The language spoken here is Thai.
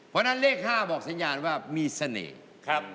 เพราะนั้นเลข๕บอกสัญญาณว่า